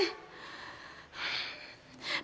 tolong jangan sebut tante perempuan murahan